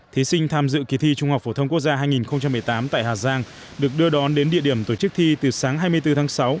thí sinh tham dự kỳ thi trung học phổ thông quốc gia hai nghìn một mươi tám tại hà giang được đưa đón đến địa điểm tổ chức thi từ sáng hai mươi bốn tháng sáu